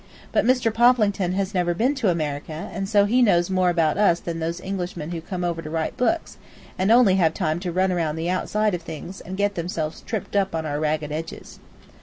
But Mr. Poplington has never been to America, and so he knows more about us than those Englishmen who come over to write books, and only have time to run around the outside of things, and get themselves tripped up on our ragged edges.